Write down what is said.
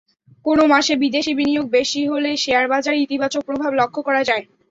কোনো মাসে বিদেশি বিনিয়োগ বেশি হলে শেয়ারবাজারে ইতিবাচক প্রভাব লক্ষ করা যায়।